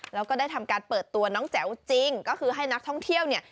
แล้วก็ได้ทำการเปิดตัวน้องแจ๋วจริงก็คือให้นักท่องเที่ยวเนี่ย